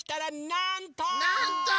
なんと！